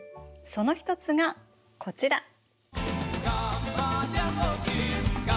その一つがこちら。